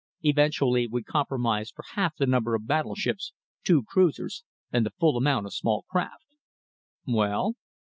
Eventually we compromised for half the number of battleships, two cruisers, and the full amount of small craft." "Well?"